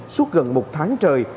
suốt gần một tháng trời